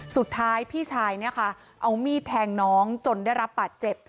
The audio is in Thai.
สุดท้ายพี่ชายเนี่ยค่ะเอามีดแทงน้องจนได้รับบาดเจ็บ